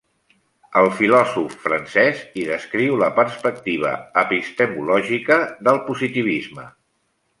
El filòsof francès hi descriu la perspectiva epistemològica del positivisme.